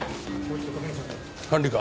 管理官。